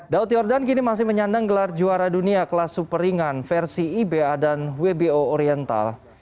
dauti ordan kini masih menyandang gelar juara dunia kelas super ringan versi iba dan wbo oriental